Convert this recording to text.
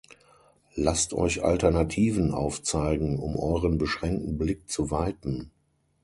Lasst euch Alternativen aufzeigen, um euren beschränkten Blick zu weiten!